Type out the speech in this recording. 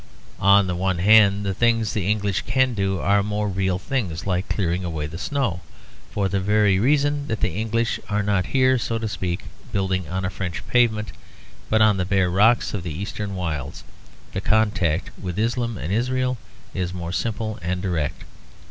On the one hand the things the English can do are more real things, like clearing away the snow; for the very reason that the English are not here, so to speak, building on a French pavement but on the bare rocks of the Eastern wilds, the contact with Islam and Israel is more simple and direct.